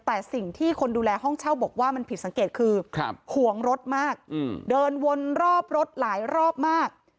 แต่สิ่งที่คนดูแลห้องเช่าบอกว่ามันผิดสังเกตคือห่วงรถมากเดินวนรอบรถหลายรอบมาก